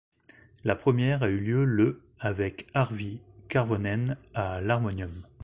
La première a eu lieu le avec Arvi Karvonen, à l'harmonium.